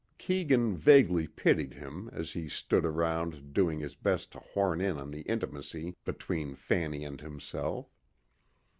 Keegan vaguely pitied him as he stood around doing his best to horn in on the intimacy between Fanny and himself.